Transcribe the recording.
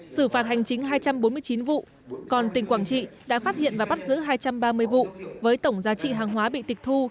xử phạt hành chính hai trăm bốn mươi chín vụ còn tỉnh quảng trị đã phát hiện và bắt giữ hai trăm ba mươi vụ với tổng giá trị hàng hóa bị tịch thu